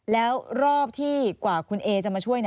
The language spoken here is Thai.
แล้วรอบที่กว่าคุณเอจะมาช่วย